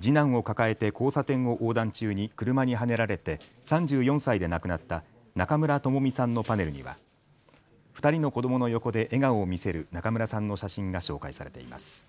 次男を抱えて交差点を横断中に車にはねられて３４歳で亡くなった中村友美さんのパネルには２人の子どもの横で笑顔を見せる中村さんの写真が紹介されています。